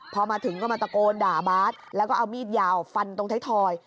พอมาถึงก็มาตะโกนด่าบาทแล้วก็เอามีดยาวฟันตรงไทยทอย